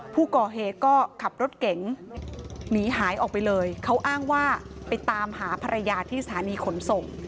ผู้ก่อเหตุก็ขับรถเก๋งหนีหายออกไปเลยเขาอ้างว่าไปตามหาภรรยาที่สถานีขนส่ง